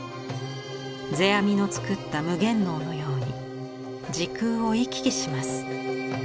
世阿弥の作った夢幻能のように時空を行き来します。